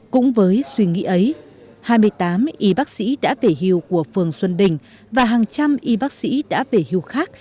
cũng với suy nghĩ ấy hai mươi tám y bác sĩ đã về hưu của phường xuân đình và hàng trăm y bác sĩ đã về hưu khác